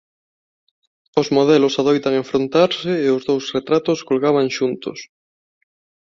Os modelos adoitan enfrontarse e os dous retratos colgaban xuntos.